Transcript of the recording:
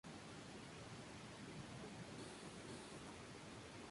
Participó en muchos certámenes literarios.